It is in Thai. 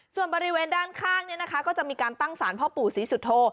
ส่วนบริเวณด้านข้างก็จะมีการตั้งสารพ่อปู่ศรีสุโธ